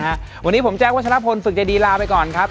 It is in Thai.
วันนี้ผมแจ๊ควัชลพลฝึกใจดีลาไปก่อนครับ